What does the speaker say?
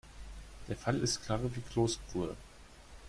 Der Fall ist klar wie Kloßbrühe.